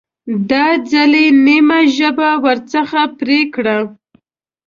دا ځل یې نیمه ژبه ورڅخه پرې کړه.